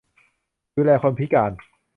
ผู้ดูแลคนพิการ